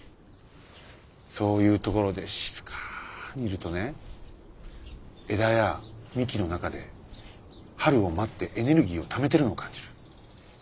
そういうところで静かにいるとね枝や幹の中で春を待ってエネルギーをためてるのを感じる。